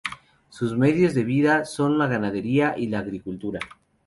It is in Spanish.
Sus medios de vida son la ganadería y la agricultura.